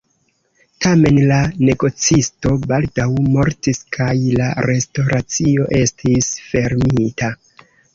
Tamen la negocisto baldaŭ mortis kaj la restoracio estis fermita.